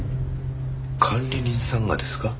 管理人さんがですか？